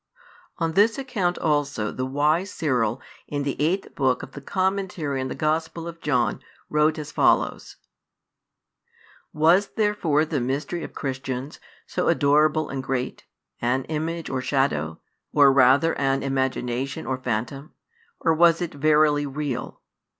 ON THIS ACCOUNT ALSO THE WISE CYRIL, IN THE EIGHTH BOOK OF THE COMMENTARY ON THE GOSPEL OF JOHN, WROTE AS FOLLOWS. "Was therefore the Mystery of Christians, so adorable and great, an image or shadow, or rather an imagination or phantom: or was it verily real?